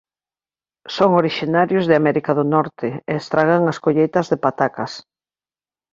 Son orixinarios de América do Norte e estragan as colleitas de patacas.